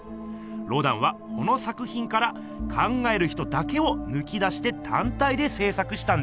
ロダンはこの作ひんから「考える人」だけをぬき出してたん体でせい作したんですよ。